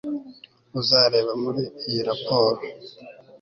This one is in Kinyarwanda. uzareba muri iyi raporo